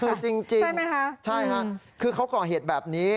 คือจริงใช่ค่ะคือเขาก่อเหตุแบบนี้